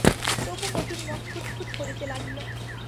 তবু মতির মন খুঁতখুঁত করিতে লাগিল।